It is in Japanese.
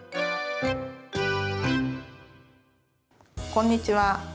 こんにちは。